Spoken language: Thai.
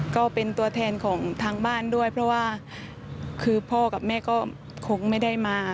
ก็เป็นตัวแทนของทางบ้านด้วยเพราะว่าคือพ่อกับแม่ก็คงไม่ได้มา